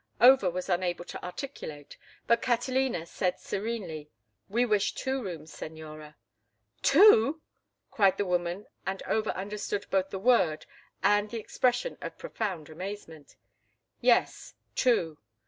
Over was unable to articulate, but Catalina said, serenely, "We wish two rooms, señora." "Two!" cried the woman, and Over understood both the word and the expression of profound amazement. "Yes, two."